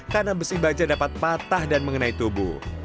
karena besi baja dapat patah dan mengenai tubuh